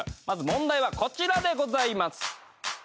まず問題はこちらでございます。